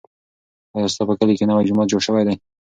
ایا ستا په کلي کې نوی جومات جوړ شوی دی؟